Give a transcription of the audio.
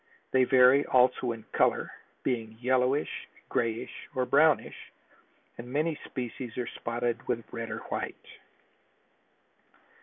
They vary also in color, being yellowish, grayish or brownish, and many species are spotted with red or white.